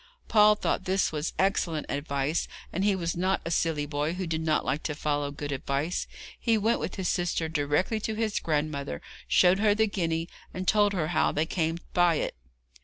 Paul thought this was excellent advice, and he was not a silly boy who did not like to follow good advice. He went with his sister directly to his grandmother, showed her the guinea and told her how they came by it.